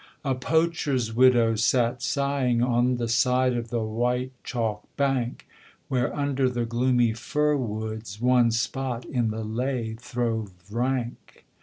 A poacher's widow sat sighing On the side of the white chalk bank, Where under the gloomy fir woods One spot in the ley throve rank.